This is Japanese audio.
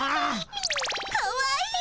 かわいい！